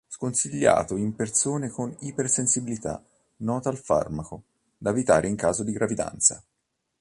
Sconsigliato in persone con ipersensibilità nota al farmaco, da evitare in caso di gravidanza.